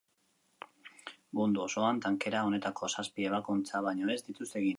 Mundu osoan tankera honetako zazpi ebakuntza baino ez dituzte egin.